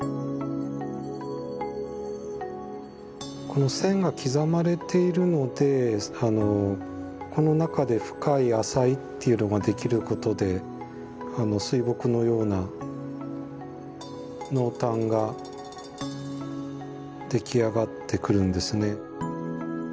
この線が刻まれているのでこの中で深い浅いっていうのができることで水墨のような濃淡が出来上がってくるんですね。